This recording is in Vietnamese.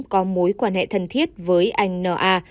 có mối quan hệ thân thiết với anh n a